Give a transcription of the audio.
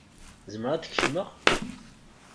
Zemreɣ ad kecmeɣ?